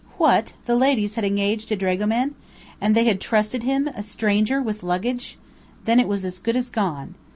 What, the ladies had engaged a dragoman! And they had trusted him a stranger with luggage? Then it was as good as gone!